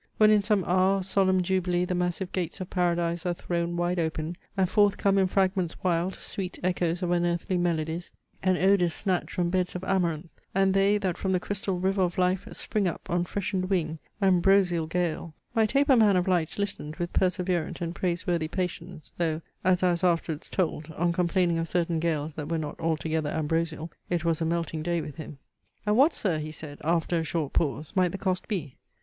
When in some hour of solemn jubilee The massive gates of Paradise are thrown Wide open, and forth come in fragments wild Sweet echoes of unearthly melodies, And odours snatched from beds of amaranth, And they, that from the crystal river of life Spring up on freshened wing, ambrosial gales! My taper man of lights listened with perseverant and praiseworthy patience, though, as I was afterwards told, on complaining of certain gales that were not altogether ambrosial, it was a melting day with him. "And what, Sir," he said, after a short pause, "might the cost be?"